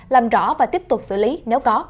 làm rõ và tiếp tục xử lý nếu có